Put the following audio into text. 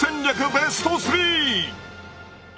ベスト３！